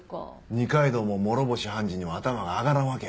二階堂も諸星判事には頭が上がらんわけやな。